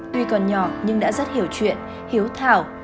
tuy còn nhỏ nhưng đã rất hiểu chuyện hiếu thảo